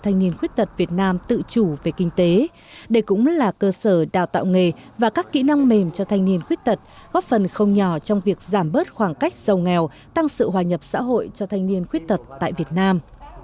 thành niên khuyết tật việt nam tự chủ về kinh tế đây cũng là cơ sở đào tạo nghề và các kỹ năng mềm cho thanh niên khuyết tật góp phần không nhỏ trong việc giảm bớt khoảng cách sâu nghèo tăng sự hòa nhập xã hội cho thanh niên khuyết tật tại việt nam